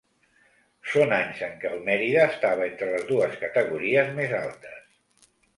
Són anys en què el Mérida estava entre les dues categories més altes.